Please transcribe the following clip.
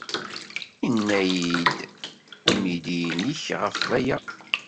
Yenna-iyi-d umidi-nnek ɣef waya.